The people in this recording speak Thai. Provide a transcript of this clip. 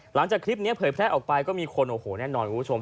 หลังจากคลิปนี้เผยแพร่ออกไปก็มีคนโอ้โหแน่นอนคุณผู้ชม